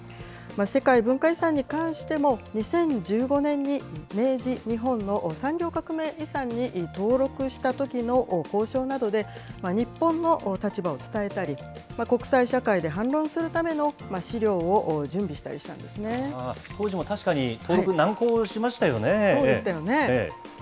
世界文化遺産に関しても、２０１５年に明治日本の産業革命遺産に登録したときの交渉などで日本の立場を伝えたり、国際社会で反論するための資料を準備した当時も確かに登録、難航しまそうでしたよね。